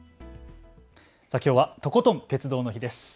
きょうはとことん鉄道の日です。